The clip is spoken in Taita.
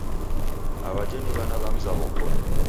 Aw'ajhe ni w'ana w'a mzaw'o koni